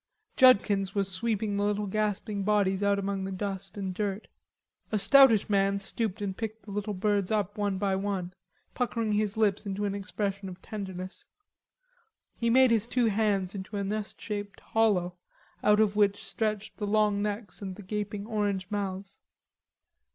Judkins was sweeping the little gasping bodies out among the dust and dirt. A stoutish man stooped and picked the little birds up one by one, puckering his lips into an expression of tenderness. He made his two hands into a nest shaped hollow, out of which stretched the long necks and the gaping orange mouths.